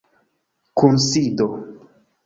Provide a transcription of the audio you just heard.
kunsido